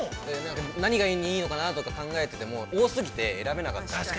何がいいのかなとか考えてても多すぎて選べなかった。